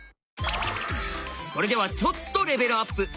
それではちょっとレベルアップ！